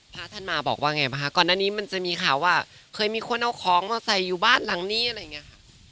พระท่านมาบอกว่าไงบ้างคะก่อนหน้านี้มันจะมีข่าวว่าเคยมีคนเอาของมาใส่อยู่บ้านหลังนี้อะไรอย่างนี้ค่ะ